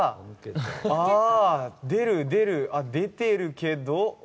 ああ、出る出る出てるけど。